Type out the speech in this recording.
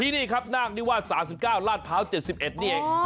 นี่ครับนาคนิวาส๓๙ลาดพร้าว๗๑นี่เอง